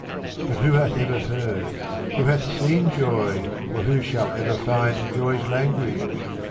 But who hath ever heard, Who hath seen joy, or who shall ever find Joy's language